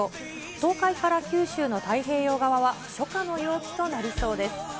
東海から九州の太平洋側は初夏の陽気となりそうです。